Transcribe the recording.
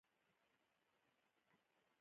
يوه پري فرنټل کارټيکس چې منطقي فېصلې کوي